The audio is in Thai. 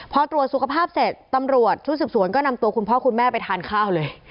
พอตรวจสุขภาพเสร็จตำรวจชุดสืบสวนก็นำตัวคุณพ่อคุณแม่ไปทานข้าวเลย